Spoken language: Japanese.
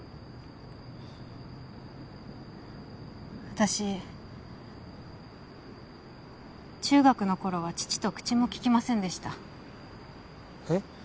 私中学の頃は父と口もききませんでしたえっ？